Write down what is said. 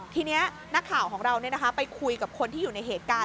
ทีนี้นักข่าวของเราไปคุยกับคนที่อยู่ในเหตุการณ์